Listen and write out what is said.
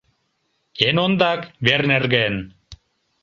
Эн ондак — вер нерген.